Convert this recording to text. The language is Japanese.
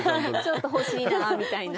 ちょっと欲しいなみたいな。